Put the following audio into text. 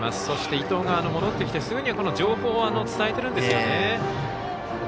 そして、伊藤が戻ってきてすぐに情報を伝えているんですよね。